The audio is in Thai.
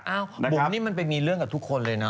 โอ้ปุมมันเป็นที่มีเรื่องกับทุกคนเลยเนอะ